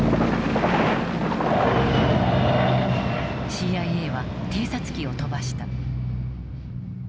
ＣＩＡは偵察機を飛ばした。